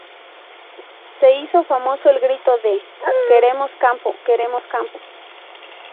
Se hizo famoso el grito de: ""¡Queremos campo!, ¡Queremos campo!"".